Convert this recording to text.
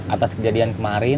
atas kejadian kemarin